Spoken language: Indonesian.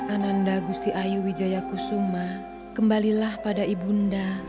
ananda gusti ayu wijayaku suma kembalilah pada ibunda